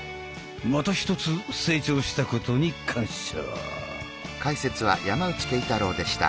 またひとつ成長したことに感謝！